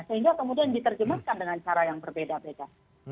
sehingga kemudian diterjemahkan dengan cara yang berbeda beda